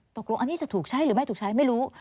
ตกลงอันนี้จะถูกใช้หรือไม่ถูกใช้ไม่รู้